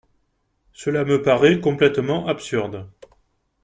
Cela me paraît complètement absurde.